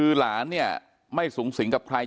เป็นมีดปลายแหลมยาวประมาณ๑ฟุตนะฮะที่ใช้ก่อเหตุ